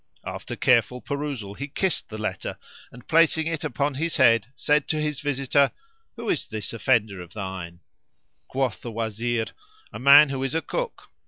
After careful perusal he kissed the letter, and placing it upon his head said to his visitor, "Who is this offender of thine?" Quoth the Wazir, "A man who is a cook."